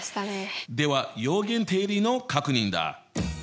では余弦定理の確認だ！